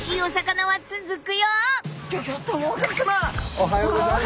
おはようございます！